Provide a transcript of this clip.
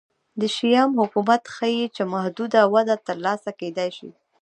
د شیام حکومت ښيي چې محدوده وده ترلاسه کېدای شي